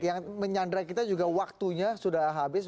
yang menyandra kita juga waktunya sudah habis